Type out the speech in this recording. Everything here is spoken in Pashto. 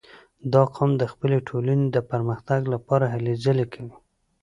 • دا قوم د خپلې ټولنې د پرمختګ لپاره هلې ځلې کوي.